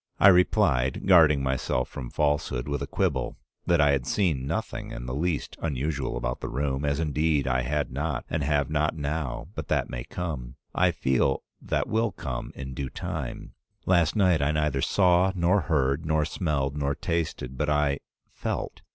I replied, guarding myself from falsehood with a quibble, that I had seen nothing in the least unusual about the room, as indeed I had not, and have not now, but that may come. I feel that that will come in due time. Last night I neither saw, nor heard, nor smelled, nor tasted, but I — felt.